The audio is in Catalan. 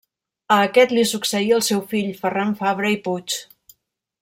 A aquest li succeí el seu fill Ferran Fabra i Puig.